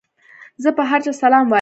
زه پر هر چا سلام وايم.